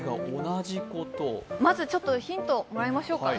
まずヒントもらいましょうかね。